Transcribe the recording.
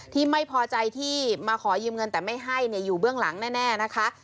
ที่ไม่พอใจที่มาขอยืมเงินแต่ไม่ให้อยู่เบื้องหลังแน่นะคะ